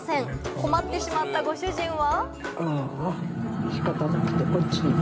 困ってしまったご主人は。